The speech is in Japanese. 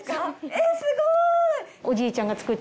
えっすごい！